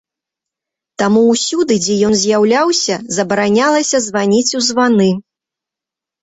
Таму ўсюды, дзе ён з'яўляўся, забаранялася званіць у званы.